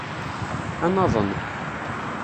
Ad naḍen.